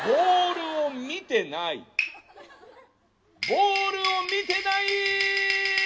ボールを見てない！」。